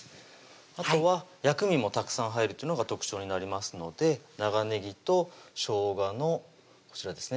あとは薬味もたくさん入るっていうのが特徴になりますので長ねぎとしょうがのこちらですね